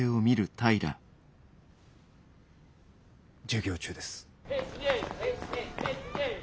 授業中です。